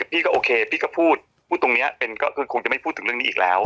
พี่ก็โอเคพี่ก็พูดพูดตรงนี้ก็คือคงจะไม่พูดถึงเรื่องนี้อีกแล้ว